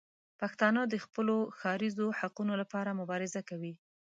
پښتانه د خپلو ښاریزو حقونو لپاره مبارزه کوي.